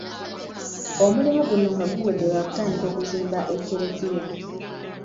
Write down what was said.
Omulimu guno nga guwedde baakutandika okuzimba ekkereziya.